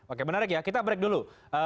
oke menarik ya kita break dulu